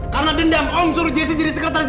karena dendam om suruh jesi jadi sekretaris